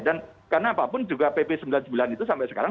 dan karena apapun juga pp sembilan puluh sembilan itu sampai sekarang